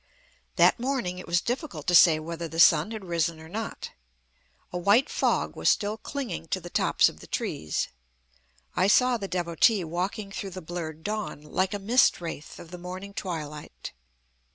That morning it was difficult to say whether the sun had risen or not. A white fog was still clinging to the tops of the trees. I saw the Devotee walking through the blurred dawn, like a mist wraith of the morning twilight.